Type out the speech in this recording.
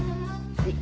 はい。